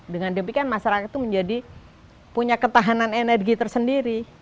dengan demikian masyarakat itu menjadi punya ketahanan energi tersendiri